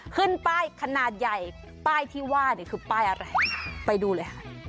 ขึ้นป้ายขนาดใหญ่ป้ายที่ว่าเนี่ยคือป้ายอะไรไปดูเลยค่ะ